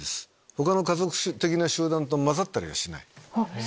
他の家族的な集団と交ざったりはしない。